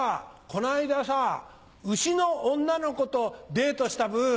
この間さ牛の女の子とデートしたブ。